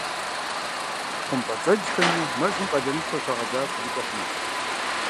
ХъумпӀэцӀэджхэми мэзым къалэнышхуэ щагъэзащӏэу жыпӏэ хъунущ.